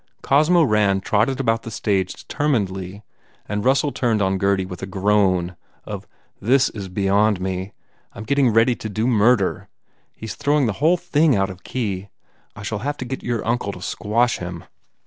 Cosmo Rand trotted about the stage determinedly and Russell turned on Gurdy with a groan of, "This is beyond me. I m get ting ready to do murder. He s throwing the 2O2 COSMO RAND whole thing out of key. I shall have to get your uncle to squash him."